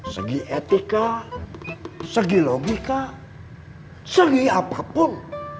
segi etika segi logika segi apapun